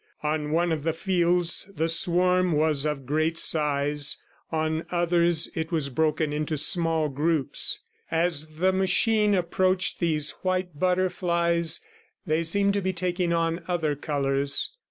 On one of the fields the swarm was of great size, on others, it was broken into small groups. As the machine approached these white butterflies, they seemed to be taking on other colors.